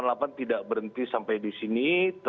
densus delapan puluh delapan tidak berhenti sampai di sini